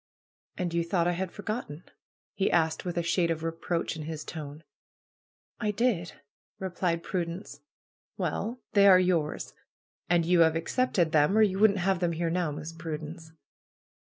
"And you thought I had forgotten?" he asked, with a shade of reproach in his tone. "I did !" replied Prudence. "Well, they are yours. And you have accepted them, or you wouldn't have them here now. Miss Prudence."